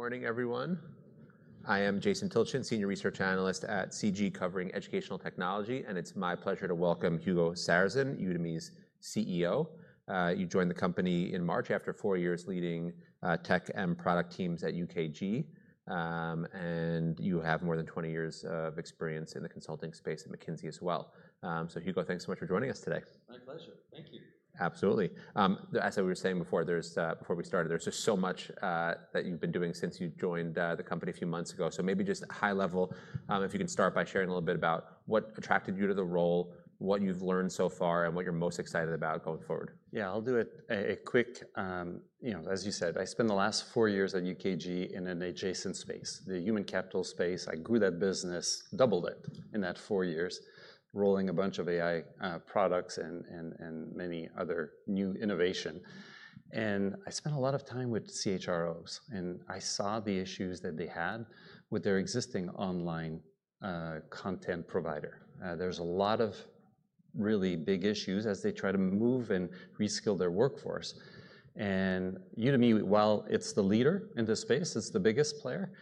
Morning, everyone. I am Jason Tilchen, Senior Research Analyst at Canaccord Genuity covering educational technology, and it's my pleasure to welcome Hugo Sarrazin, Udemy's CEO. You joined the company in March after four years leading tech and product teams at UKG, and you have more than 20 years of experience in the consulting space at McKinsey as well. Hugo, thanks so much for joining us today. My pleasure. Thank you. Absolutely. As we were saying before, there's just so much that you've been doing since you joined the company a few months ago. Maybe just high level, if you could start by sharing a little bit about what attracted you to the role, what you've learned so far, and what you're most excited about going forward. Yeah, I'll do it quick. You know, as you said, I spent the last four years at UKG in an adjacent space, the human capital space. I grew that business, doubled it in that four years, rolling a bunch of AI products and many other new innovations. I spent a lot of time with CHROs, and I saw the issues that they had with their existing online content provider. There are a lot of really big issues as they try to move and reskill their workforce. Udemy, while it's the leader in the space, it's the biggest player.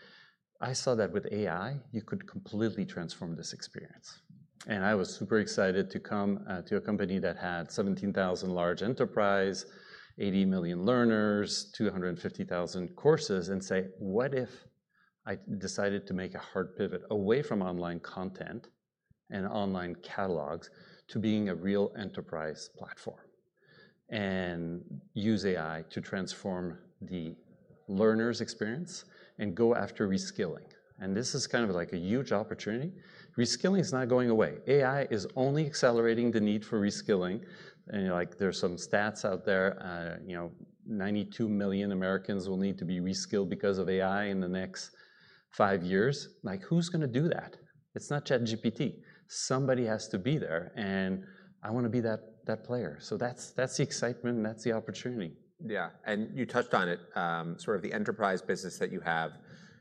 I saw that with AI, you could completely transform this experience. I was super excited to come to a company that had 17,000 large enterprise, 80 million learners, 250,000 courses, and say, what if I decided to make a hard pivot away from online content and online catalogs to being a real enterprise platform and use AI to transform the learner's experience and go after reskilling? This is kind of like a huge opportunity. Reskilling is not going away. AI is only accelerating the need for reskilling. There are some stats out there, you know, 92 million Americans will need to be reskilled because of AI in the next five years. Who's going to do that? It's not ChatGPT. Somebody has to be there, and I want to be that player. That's the excitement, and that's the opportunity. Yeah, and you touched on it, sort of the enterprise business that you have.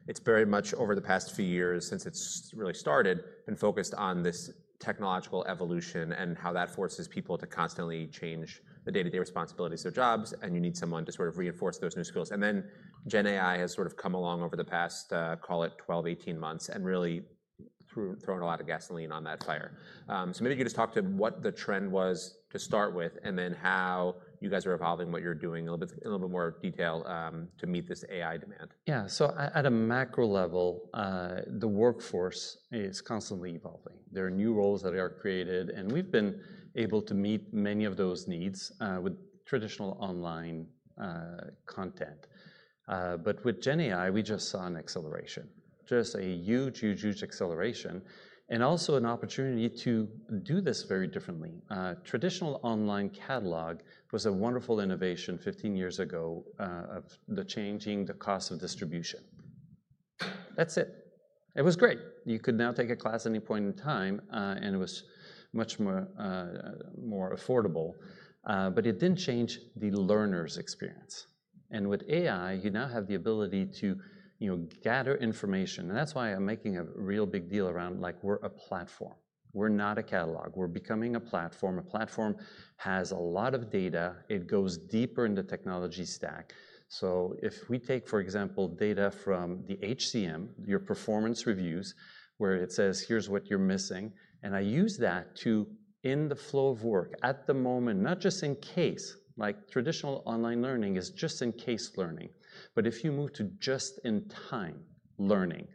It's very much over the past few years, since it's really started, been focused on this technological evolution and how that forces people to constantly change the day-to-day responsibilities of jobs, and you need someone to sort of reinforce those new skills. Gen AI has sort of come along over the past, call it 12-18 months, and really thrown a lot of gasoline on that fire. Maybe you could just talk to what the trend was to start with and then how you guys are evolving what you're doing in a little bit more detail to meet this AI demand. Yeah, so at a macro level, the workforce is constantly evolving. There are new roles that are created, and we've been able to meet many of those needs with traditional online content. With Gen AI, we just saw an acceleration, just a huge, huge, huge acceleration, and also an opportunity to do this very differently. Traditional online catalog was a wonderful innovation 15 years ago of changing the cost of distribution. That's it. It was great. You could now take a class at any point in time, and it was much more affordable. It didn't change the learner's experience. With AI, you now have the ability to gather information. That's why I'm making a real big deal around, like, we're a platform. We're not a catalog. We're becoming a platform. A platform has a lot of data. It goes deeper in the technology stack. If we take, for example, data from the HCM, your performance reviews, where it says, here's what you're missing, and I use that to end the flow of work at the moment, not just in case. Traditional online learning is just in case learning. If you move to just-in-time learning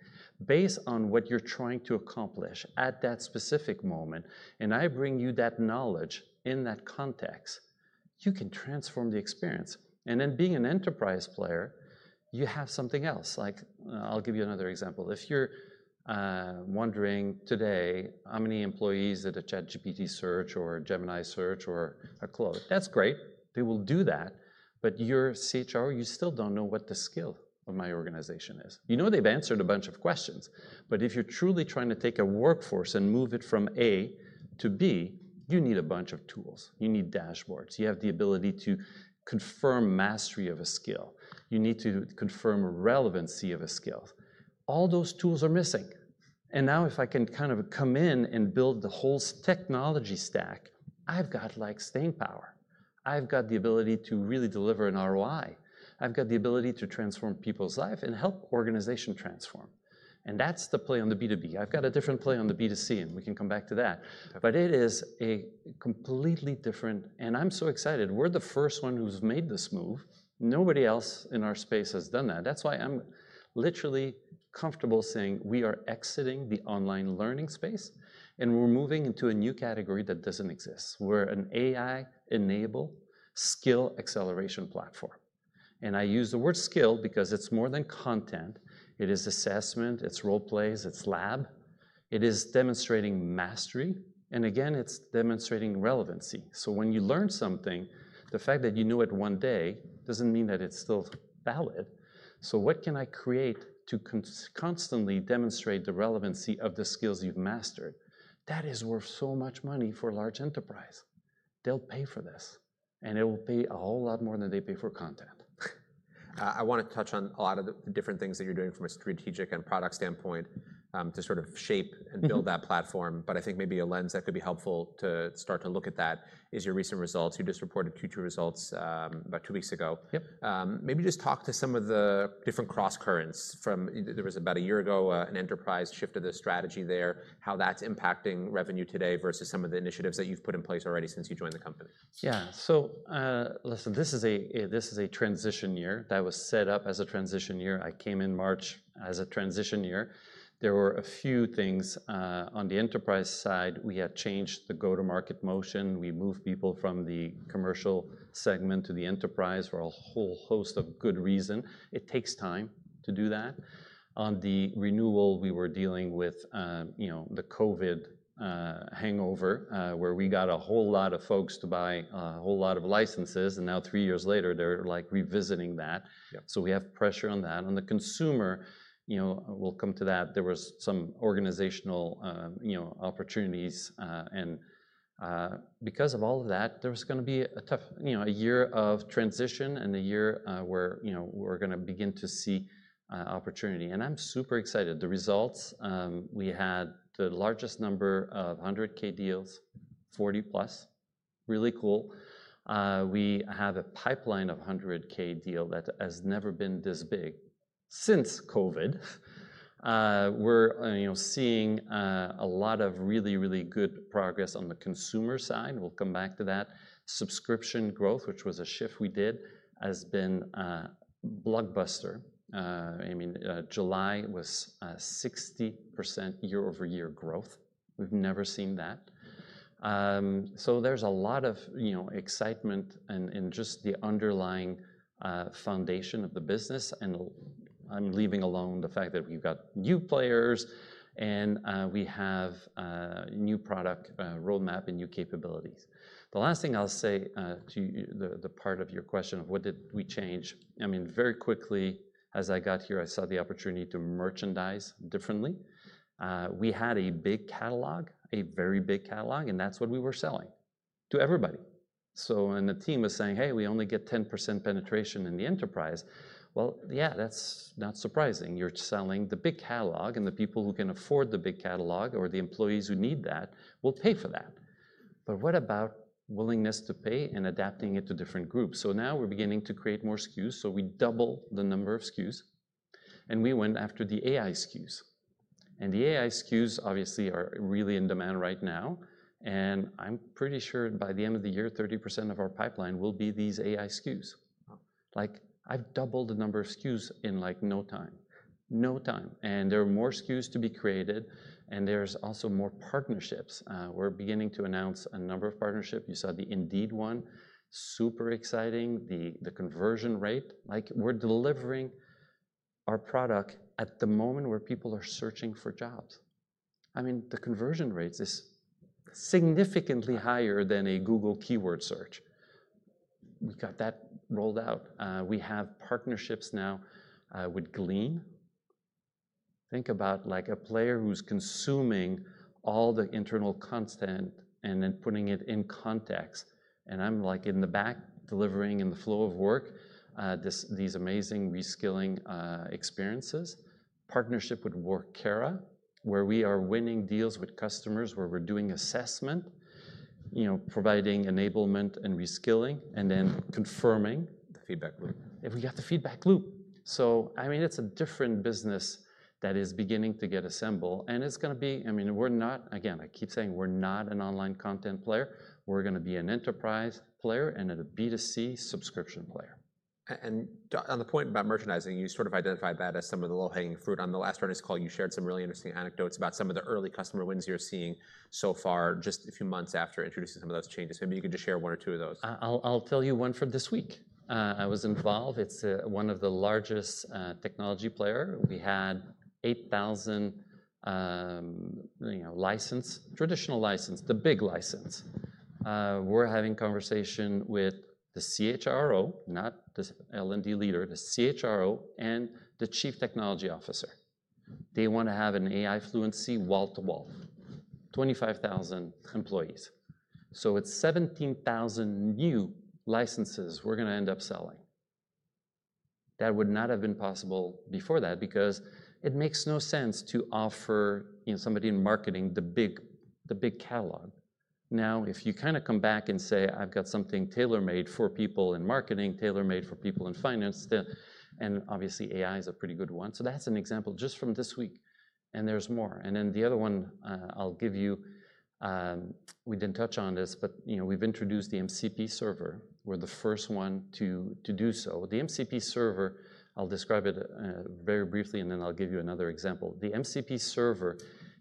based on what you're trying to accomplish at that specific moment, and I bring you that knowledge in that context, you can transform the experience. Being an enterprise player, you have something else. I'll give you another example. If you're wondering today how many employees did a ChatGPT search or a Gemini search or a Cloud, that's great. They will do that. You're a CHRO, you still don't know what the skill of my organization is. You know they've answered a bunch of questions. If you're truly trying to take a workforce and move it from A to B, you need a bunch of tools. You need dashboards. You have the ability to confirm mastery of a skill. You need to confirm relevancy of a skill. All those tools are missing. If I can kind of come in and build the whole technology stack, I've got staying power. I've got the ability to really deliver an ROI. I've got the ability to transform people's lives and help organizations transform. That's the play on the B2B. I've got a different play on the B2C, and we can come back to that. It is a completely different, and I'm so excited. We're the first one who's made this move. Nobody else in our space has done that. That's why I'm literally comfortable saying we are exiting the online learning space, and we're moving into a new category that doesn't exist. We're an AI-enabled skill acceleration platform. I use the word skill because it's more than content. It is assessment, it's role plays, it's lab, it is demonstrating mastery. It's demonstrating relevancy. When you learn something, the fact that you knew it one day doesn't mean that it's still valid. What can I create to constantly demonstrate the relevancy of the skills you've mastered? That is worth so much money for a large enterprise. They'll pay for this, and it will pay a whole lot more than they pay for content. I want to touch on a lot of the different things that you're doing from a strategic and product standpoint to sort of shape and build that platform. I think maybe a lens that could be helpful to start to look at that is your recent results. You just reported Q2 results about two weeks ago. Yep. Maybe just talk to some of the different cross-currents. There was about a year ago an enterprise shift of the strategy there, how that's impacting revenue today versus some of the initiatives that you've put in place already since you joined the company. Yeah, so listen, this is a transition year. That was set up as a transition year. I came in March as a transition year. There were a few things on the enterprise side. We had changed the go-to-market motion. We moved people from the commercial segment to the enterprise for a whole host of good reasons. It takes time to do that. On the renewal, we were dealing with the COVID hangover, where we got a whole lot of folks to buy a whole lot of licenses. Now, three years later, they're revisiting that. We have pressure on that. On the consumer, we'll come to that. There were some organizational opportunities. Because of all of that, there was going to be a tough year of transition and a year where we're going to begin to see opportunity. I'm super excited. The results, we had the largest number of $100K deals, 40 plus. Really cool. We have a pipeline of $100K deals that has never been this big since COVID. We're seeing a lot of really, really good progress on the consumer side. We'll come back to that. Subscription growth, which was a shift we did, has been blockbuster. I mean, July was 60% year-over-year growth. We've never seen that. There's a lot of excitement in just the underlying foundation of the business. I'm leaving alone the fact that we've got new players, and we have a new product roadmap and new capabilities. The last thing I'll say to the part of your question of what did we change, I mean, very quickly, as I got here, I saw the opportunity to merchandise differently. We had a big catalog, a very big catalog, and that's what we were selling to everybody. When the team was saying, hey, we only get 10% penetration in the enterprise, well, yeah, that's not surprising. You're selling the big catalog, and the people who can afford the big catalog or the employees who need that will pay for that. What about willingness to pay and adapting it to different groups? Now we're beginning to create more SKUs, so we doubled the number of SKUs, and we went after the AI SKUs. The AI SKUs obviously are really in demand right now. I'm pretty sure by the end of the year, 30% of our pipeline will be these AI SKUs. I've doubled the number of SKUs in no time. No time. There are more SKUs to be created, and there's also more partnerships. We're beginning to announce a number of partnerships. You saw the Indeed one. Super exciting. The conversion rate, like, we're delivering our product at the moment where people are searching for jobs. I mean, the conversion rate is significantly higher than a Google keyword search. We've got that rolled out. We have partnerships now with Glean. Think about, like, a player who's consuming all the internal content and then putting it in context. I'm in the back delivering in the flow of work these amazing reskilling experiences. Partnership with Workera, where we are winning deals with customers, where we're doing assessment, providing enablement and reskilling, and then confirming... The feedback loop. We got the feedback loop. I mean, it's a different business that is beginning to get assembled. It's going to be, I mean, we're not, again, I keep saying we're not an online content player. We're going to be an enterprise player and a B2C subscription player. On the point about merchandising, you sort of identified that as some of the low-hanging fruit. On the last earnings call, you shared some really interesting anecdotes about some of the early customer wins you're seeing so far, just a few months after introducing some of those changes. Maybe you could just share one or two of those. I'll tell you one from this week. I was involved. It's one of the largest technology players. We had 8,000 licensed, traditional licensed, the big license. We're having a conversation with the CHRO, not the L&D leader, the CHRO and the Chief Technology Officer. They want to have an AI fluency wall-to-wall, 25,000 employees. It's 17,000 new licenses we're going to end up selling. That would not have been possible before that because it makes no sense to offer somebody in marketing the big catalog. Now, if you kind of come back and say, I've got something tailor-made for people in marketing, tailor-made for people in finance, and obviously, AI is a pretty good one. That's an example just from this week. There's more. The other one I'll give you, we didn't touch on this, but we've introduced the MCP server. We're the first one to do so. The MCP server, I'll describe it very briefly, then I'll give you another example. The MCP server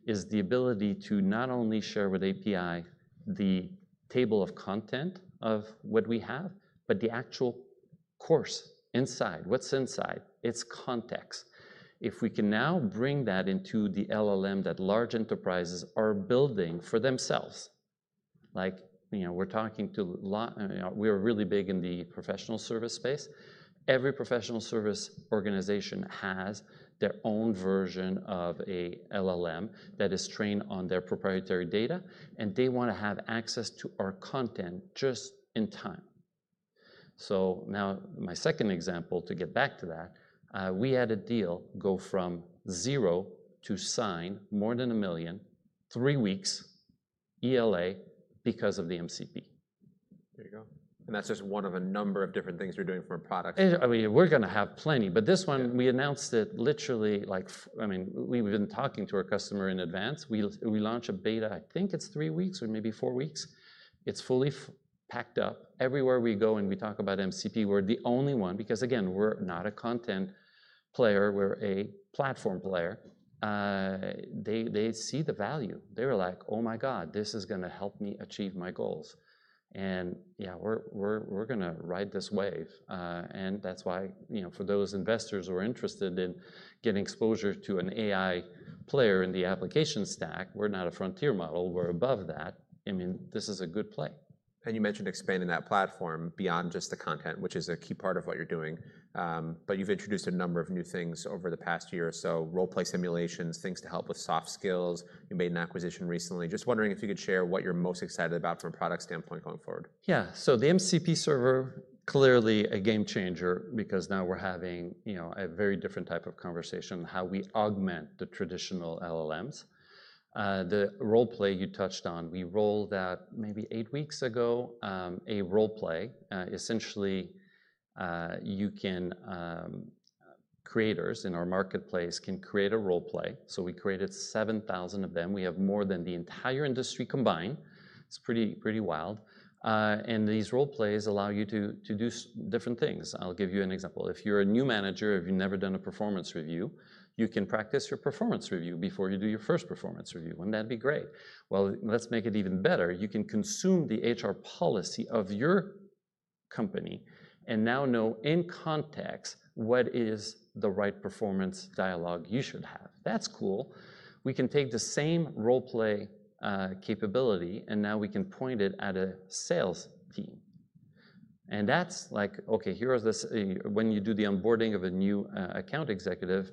is the ability to not only share with API the table of content of what we have, but the actual course inside. What's inside? It's context. If we can now bring that into the LLM that large enterprises are building for themselves, like, we're talking to a lot, we're really big in the professional service space. Every professional service organization has their own version of an LLM that is trained on their proprietary data, and they want to have access to our content just in time. Now, my second example, to get back to that, we had a deal go from zero to sign more than a million, three weeks, ELA because of the MCP. There you go. That is just one of a number of different things we're doing for a product. We're going to have plenty, but this one, we announced it literally, like, we've been talking to our customer in advance. We launch a beta, I think it's three weeks or maybe four weeks. It's fully packed up. Everywhere we go and we talk about MCP, we're the only one, because again, we're not a content player. We're a platform player. They see the value. They were like, oh my god, this is going to help me achieve my goals. Yeah, we're going to ride this wave. That's why, for those investors who are interested in getting exposure to an AI player in the application stack, we're not a frontier model. We're above that. I mean, this is a good play. You mentioned expanding that platform beyond just the content, which is a key part of what you're doing. You've introduced a number of new things over the past year or so, role-play simulations, things to help with soft skills. You made an acquisition recently. Just wondering if you could share what you're most excited about from a product standpoint going forward. Yeah, so the MCP server, clearly a game changer, because now we're having a very different type of conversation on how we augment the traditional LLMs. The role play you touched on, we rolled out maybe eight weeks ago a role play. Essentially, creators in our marketplace can create a role play. We created 7,000 of them. We have more than the entire industry combined. It's pretty wild. These role plays allow you to do different things. I'll give you an example. If you're a new manager, if you've never done a performance review, you can practice your performance review before you do your first performance review. Wouldn't that be great? Let's make it even better. You can consume the HR policy of your company and now know in context what is the right performance dialogue you should have. That's cool. We can take the same role play capability, and now we can point it at a sales team. That's like, OK, here are the, when you do the onboarding of a new account executive,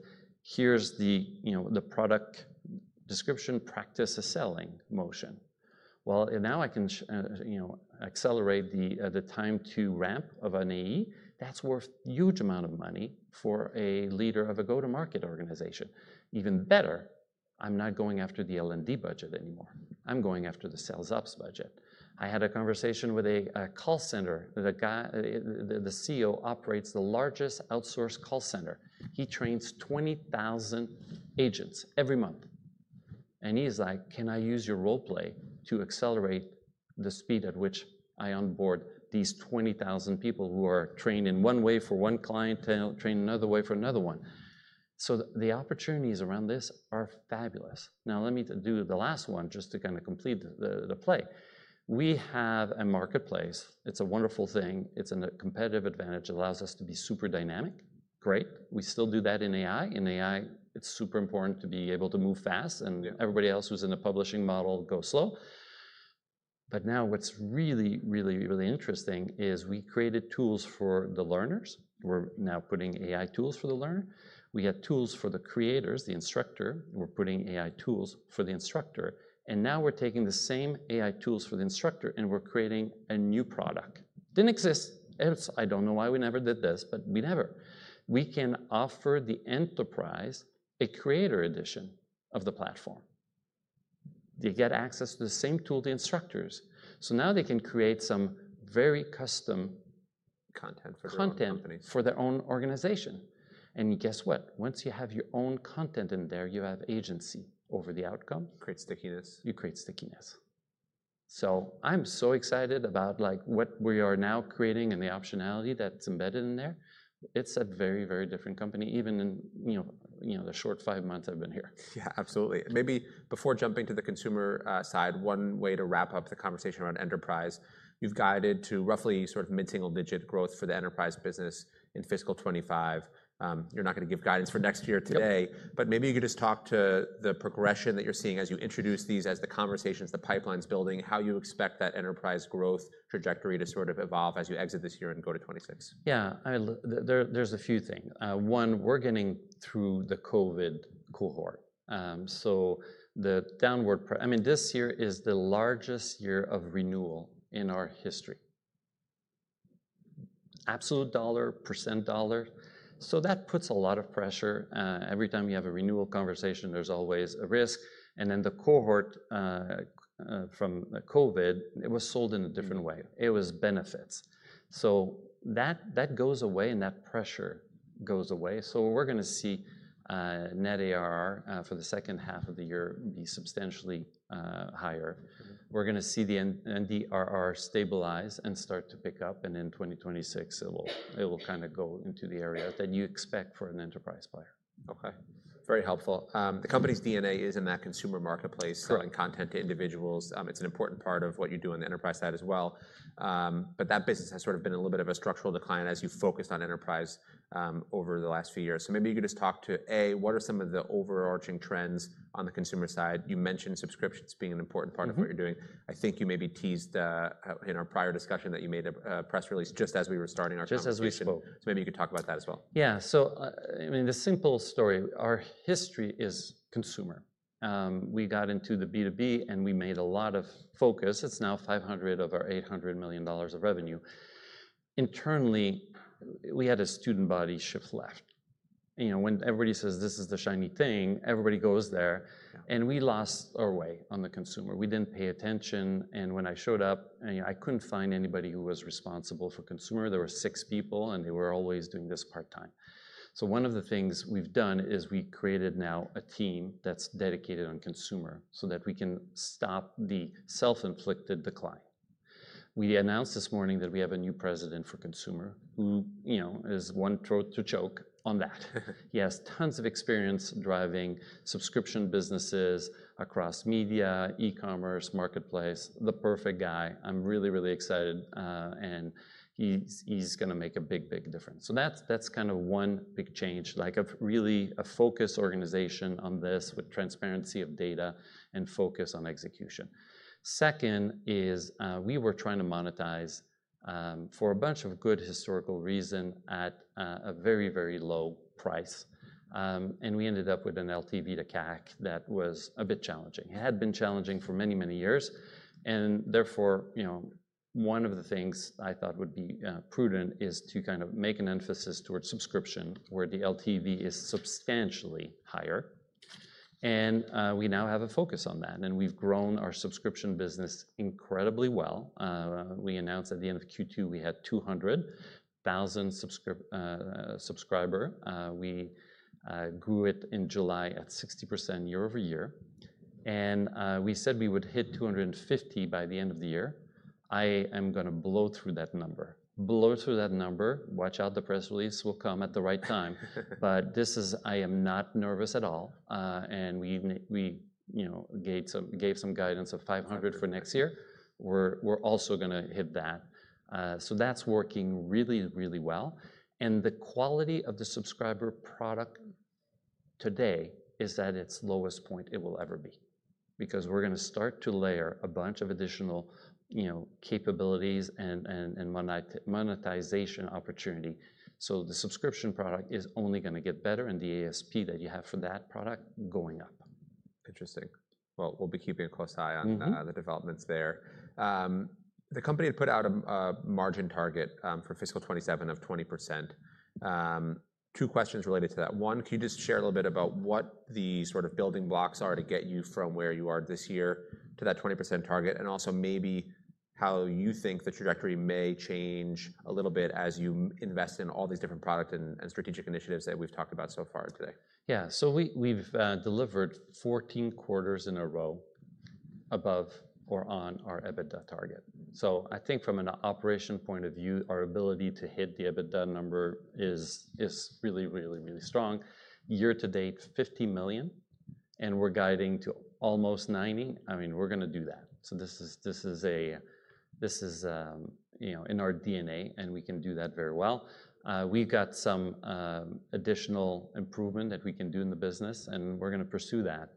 here's the product description practice of selling motion. Now I can accelerate the time to ramp of an AE. That's worth a huge amount of money for a leader of a go-to-market organization. Even better, I'm not going after the L&D budget anymore. I'm going after the sales ops budget. I had a conversation with a call center. The CEO operates the largest outsourced call center. He trains 20,000 agents every month. He's like, can I use your role play to accelerate the speed at which I onboard these 20,000 people who are trained in one way for one client, trained in another way for another one? The opportunities around this are fabulous. Let me do the last one just to kind of complete the play. We have a marketplace. It's a wonderful thing. It's a competitive advantage. It allows us to be super dynamic. Great. We still do that in AI. In AI, it's super important to be able to move fast, and everybody else who's in the publishing model goes slow. Now what's really, really, really interesting is we created tools for the learners. We're now putting AI tools for the learner. We had tools for the creators, the instructor. We're putting AI tools for the instructor. Now we're taking the same AI tools for the instructor, and we're creating a new product. Didn't exist. I don't know why we never did this, but we never. We can offer the enterprise a creator edition of the platform. They get access to the same tool the instructors. Now they can create some very custom content for their own organization. Guess what? Once you have your own content in there, you have agency over the outcome. Create stickiness. You create stickiness. I'm so excited about what we are now creating and the optionality that's embedded in there. It's a very, very different company, even in the short five months I've been here. Yeah, absolutely. Maybe before jumping to the consumer side, one way to wrap up the conversation around enterprise, you've guided to roughly sort of mid-single-digit growth for the enterprise business in fiscal 2025. You're not going to give guidance for next year today, but maybe you could just talk to the progression that you're seeing as you introduce these as the conversations, the pipeline's building, how you expect that enterprise growth trajectory to sort of evolve as you exit this year and go to 2026. Yeah, there's a few things. One, we're getting through the COVID cohort. The downward, I mean, this year is the largest year of renewal in our history, absolute dollar, % dollar. That puts a lot of pressure. Every time we have a renewal conversation, there's always a risk. The cohort from COVID was sold in a different way. It was benefits. That goes away, and that pressure goes away. We're going to see net ARR for the second half of the year be substantially higher. We're going to see the NDRR stabilize and start to pick up. In 2026, it will kind of go into the area that you expect for an enterprise player. OK, very helpful. The company's DNA is in that consumer marketplace selling content to individuals. It's an important part of what you do on the enterprise side as well. That business has sort of been in a little bit of a structural decline as you focused on enterprise over the last few years. Maybe you could just talk to, A, what are some of the overarching trends on the consumer side? You mentioned subscriptions being an important part of what you're doing. I think you maybe teased in our prior discussion that you made a press release just as we were starting our conversation. Just as we should. Maybe you could talk about that as well. Yeah, so I mean, the simple story, our history is consumer. We got into the B2B, and we made a lot of focus. It's now $500 million of our $800 million of revenue. Internally, we had a student body shift left. You know, when everybody says this is the shiny thing, everybody goes there. We lost our way on the consumer. We didn't pay attention. When I showed up, I couldn't find anybody who was responsible for consumer. There were six people, and they were always doing this part-time. One of the things we've done is we created now a team that's dedicated on consumer so that we can stop the self-inflicted decline. We announced this morning that we have a new President for Consumer who, you know, is one throat to choke on that. He has tons of experience driving subscription businesses across media, e-commerce, marketplace. The perfect guy. I'm really, really excited. He's going to make a big, big difference. That's kind of one big change, like a really focused organization on this with transparency of data and focus on execution. Second is we were trying to monetize for a bunch of good historical reasons at a very, very low price. We ended up with an LTV to CAC that was a bit challenging. It had been challenging for many, many years. Therefore, you know, one of the things I thought would be prudent is to kind of make an emphasis towards subscription, where the LTV is substantially higher. We now have a focus on that. We've grown our subscription business incredibly well. We announced at the end of Q2 we had 200,000 subscribers. We grew it in July at 60% year over year. We said we would hit 250,000 by the end of the year. I am going to blow through that number. Blow through that number. Watch out, the press release will come at the right time. I am not nervous at all. We gave some guidance of 500,000 for next year. We're also going to hit that. That's working really, really well. The quality of the subscriber product today is at its lowest point it will ever be, because we're going to start to layer a bunch of additional capabilities and monetization opportunity. The subscription product is only going to get better, and the ASP that you have for that product is going up. Interesting. We'll be keeping a close eye on the developments there. The company had put out a margin target for fiscal 2027 of 20%. Two questions related to that. One, can you just share a little bit about what the sort of building blocks are to get you from where you are this year to that 20% target, and also maybe how you think the trajectory may change a little bit as you invest in all these different product and strategic initiatives that we've talked about so far today? Yeah, we've delivered 14 quarters in a row above or on our EBITDA target. I think from an operation point of view, our ability to hit the EBITDA number is really, really, really strong. Year to date, $50 million, and we're guiding to almost $90 million. I mean, we're going to do that. This is in our DNA, and we can do that very well. We've got some additional improvement that we can do in the business, and we're going to pursue that.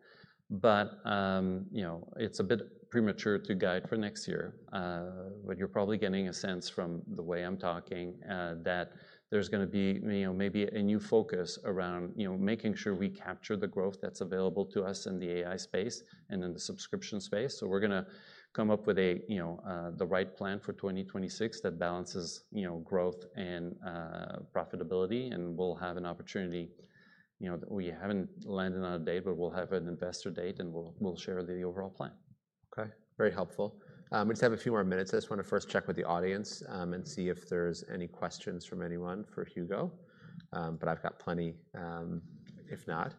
It's a bit premature to guide for next year. You're probably getting a sense from the way I'm talking that there's going to be maybe a new focus around making sure we capture the growth that's available to us in the AI space and in the subscription space. We're going to come up with the right plan for 2026 that balances growth and profitability. We'll have an opportunity that we haven't landed on a date, but we'll have an investor date, and we'll share the overall plan. OK, very helpful. We just have a few more minutes. I just want to first check with the audience and see if there's any questions from anyone for Hugo. I've got plenty, if not.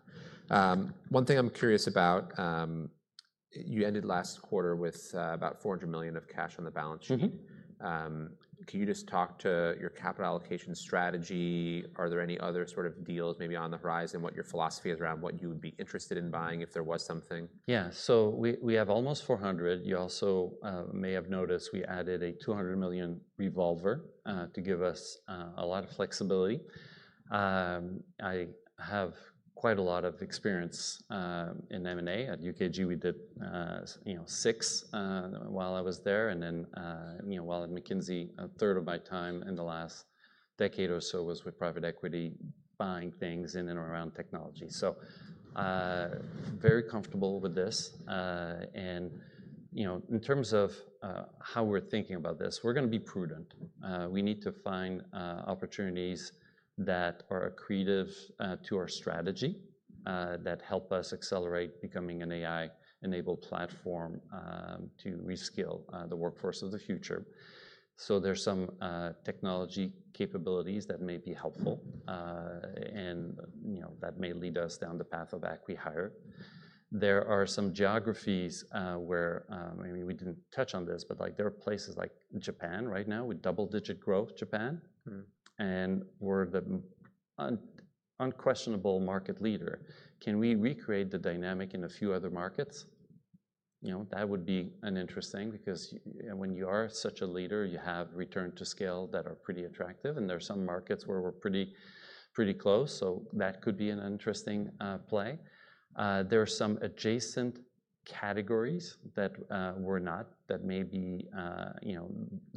One thing I'm curious about, you ended last quarter with about $400 million of cash on the balance sheet. Can you just talk to your capital allocation strategy? Are there any other sort of deals maybe on the horizon? What your philosophy is around what you would be interested in buying if there was something? Yeah, so we have almost $400 million. You also may have noticed we added a $200 million revolver to give us a lot of flexibility. I have quite a lot of experience in M&A. At UKG, we did six while I was there. While at McKinsey, a third of my time in the last decade or so was with private equity, buying things in and around technology. I am very comfortable with this. In terms of how we're thinking about this, we're going to be prudent. We need to find opportunities that are accretive to our strategy that help us accelerate becoming an AI-enabled skill acceleration platform to reskill the workforce of the future. There are some technology capabilities that may be helpful, and that may lead us down the path of acquiring. There are some geographies where maybe we didn't touch on this, but there are places like Japan right now with double-digit growth, Japan. We're the unquestionable market leader. Can we recreate the dynamic in a few other markets? That would be interesting because when you are such a leader, you have returns to scale that are pretty attractive. There are some markets where we're pretty close. That could be an interesting play. There are some adjacent categories that we're not in that may be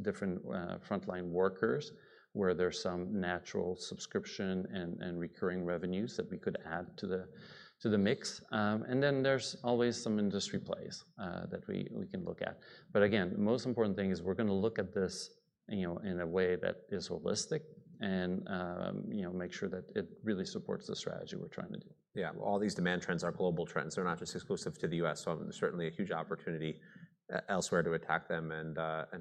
different frontline workers, where there's some natural subscription and recurring revenues that we could add to the mix. There are always some industry plays that we can look at. The most important thing is we're going to look at this in a way that is holistic and make sure that it really supports the strategy we're trying to do. Yeah, all these demand trends are global trends. They're not just exclusive to the U.S. There is certainly a huge opportunity elsewhere to attack them and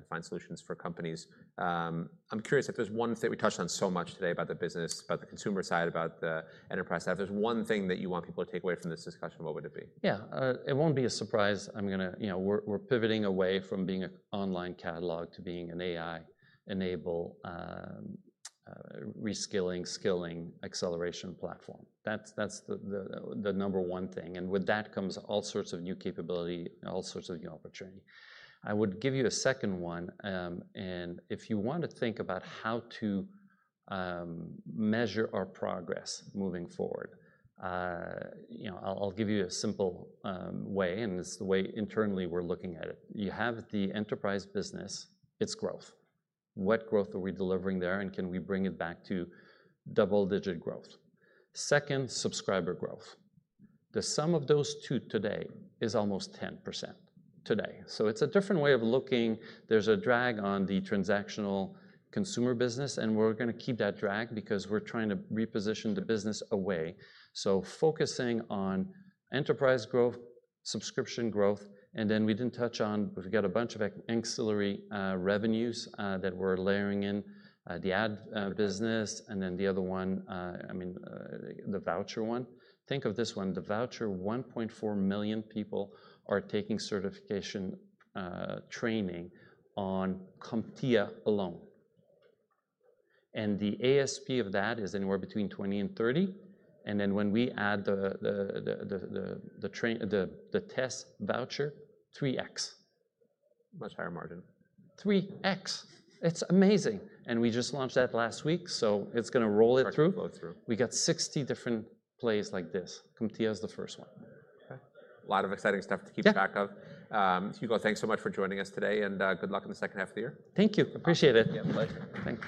find solutions for companies. I'm curious, if there's one thing we touched on so much today about the business, about the consumer side, about the enterprise side, if there's one thing that you want people to take away from this discussion, what would it be? Yeah, it won't be a surprise. We're pivoting away from being an online catalog to being an AI-enabled skill acceleration platform. That's the number one thing. With that comes all sorts of new capability, all sorts of new opportunity. I would give you a second one. If you want to think about how to measure our progress moving forward, I'll give you a simple way. It's the way internally we're looking at it. You have the enterprise business, its growth. What growth are we delivering there, and can we bring it back to double-digit growth? Second, subscriber growth. The sum of those two today is almost 10% today. It's a different way of looking. There's a drag on the transactional consumer business, and we're going to keep that drag because we're trying to reposition the business away. Focusing on enterprise growth, subscription growth, and then we didn't touch on, but we've got a bunch of ancillary revenues that we're layering in the ad business, and then the other one, I mean, the voucher one. Think of this one. The voucher, 1.4 million people are taking certification training on CompTIA alone. The ASP of that is anywhere between $20 and $30. When we add the test voucher, 3x. Much higher margin. 3x. It's amazing. We just launched that last week, so it's going to roll it through. It's going to roll through. We got 60 different plays like this. CompTIA is the first one. A lot of exciting stuff to keep track of. Hugo, thanks so much for joining us today, and good luck in the second half of the year. Thank you. Appreciate it. Yeah, bye. Thanks.